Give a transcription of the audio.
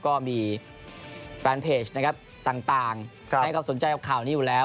ก็มีแฟนเพจนะครับต่างให้เขาสนใจกับข่าวนี้อยู่แล้ว